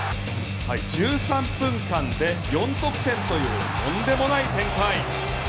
１３分間で４得点というとんでもない展開。